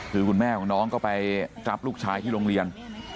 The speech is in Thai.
คือคุณแม่ของน้องก็ไปรับลูกชายที่โรงเรียน